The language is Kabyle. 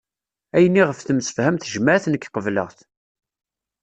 Ayen i ɣef temsefham tejmaɛt nekk qebleɣ-t